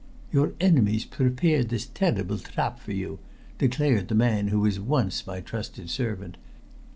"Your enemies prepared this terrible trap for you," declared the man who was once my trusted servant.